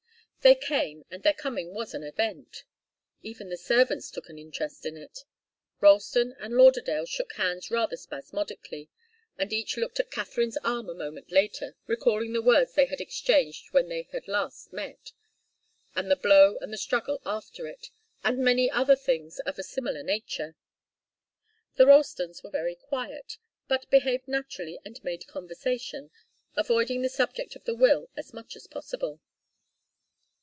They came, and their coming was an event. Even the servants took an interest in it. Ralston and Lauderdale shook hands rather spasmodically, and each looked at Katharine's arm a moment later, recalling the words they had exchanged when they had last met, and the blow and the struggle after it, and many other things of a similar nature. The Ralstons were very quiet, but behaved naturally and made conversation, avoiding the subject of the will as much as possible.